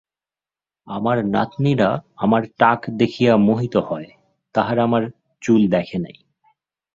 আমার নাতনীরা আমার টাক দেখিয়া মোহিত হয়, তাহারা আমার চুল দেখে নাই।